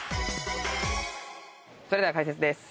それでは解説です。